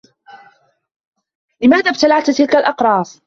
لماذا ابتلعت تلك الأقراص؟